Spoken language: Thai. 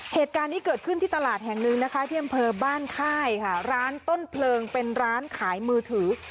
เหตุการณ์นี้เกิดขึ้นที่ตลาดแห่งหนึ่งนะคะที่อำเภอบ้านค่ายค่ะร้านต้นเพลิงเป็นร้านขายมือถือ